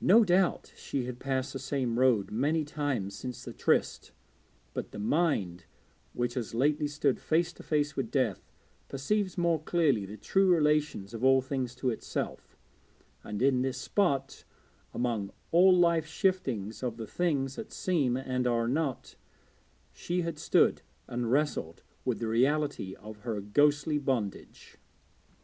No doubt she had passed the same road many times since the tryst, but the mind which has lately stood face to face with death perceives more clearly the true relations of all things to itself; and, in this spot, among all life's shiftings of the things that seem and are not, she had stood and wrestled with the reality of her ghostly bondage.